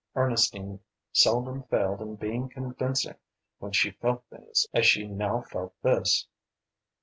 Ernestine seldom failed in being convincing when she felt things as she now felt this.